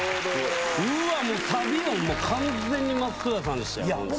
うわー、もうサビも完全に松任谷さんでしたよ、本当。